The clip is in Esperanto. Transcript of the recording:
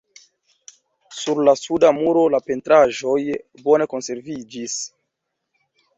Sur la suda muro la pentraĵoj bone konserviĝis.